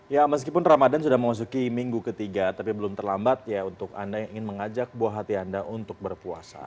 ya meskipun ramadan sudah memasuki minggu ketiga tapi belum terlambat ya untuk anda yang ingin mengajak buah hati anda untuk berpuasa